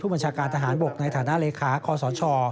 บัญชาการทหารบกในฐานะเลขาคอสช